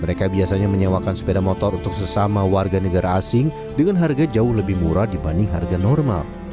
mereka biasanya menyewakan sepeda motor untuk sesama warga negara asing dengan harga jauh lebih murah dibanding harga normal